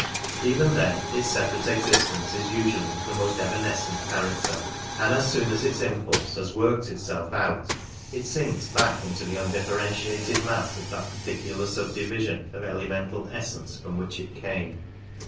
Even then its separate exist ence is usually of the most evanescent character, and as soon as its impulse has worked itself out it sinks back into the undifferentiated mass of that particular subdivision of elemental essence from which it came.